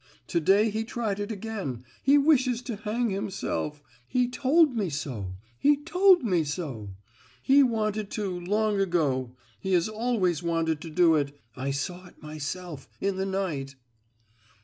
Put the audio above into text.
To day he tried it again,—he wishes to hang himself; he told me so!—he told me so! He wanted to, long ago; he has always wanted to do it! I saw it myself—in the night!"